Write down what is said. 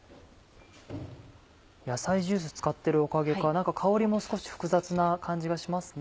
野菜ジュース使ってるおかげか何か香りも少し複雑な感じがしますね。